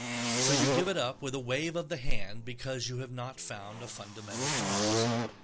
So you give it up with a wave of the hand because you have not found a fundamental cause.